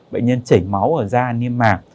bệnh nhân chảy máu ở da niêm mạng